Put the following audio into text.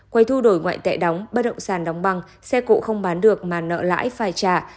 quay thu đổi ngoại tệ đóng bất động sản đóng băng xe cộ không bán được mà nợ lãi phải trả